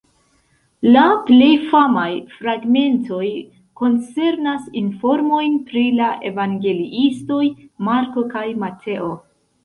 La plej famaj fragmentoj koncernas informojn pri la evangeliistoj Marko kaj Mateo.